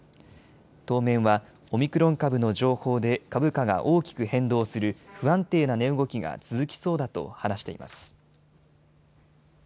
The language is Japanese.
当面はオミクロン株の情報で株価が大きく変動する不安定な値動きが続きそうだと話しています。